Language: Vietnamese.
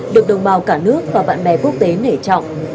được đồng bào cả nước và bạn bè quốc tế nể trọng